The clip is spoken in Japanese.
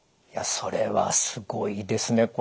いやそれはすごいですね。